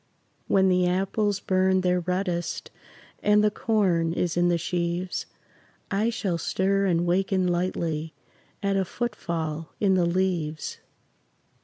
When the apples burn their reddest And the corn is in the sheaves, I shall stir and waken lightly At a footfall in the leaves.